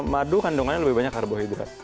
madu kandungannya lebih banyak karbohidrat